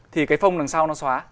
thì cái phông đằng sau nó xóa